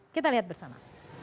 kita lihat bersama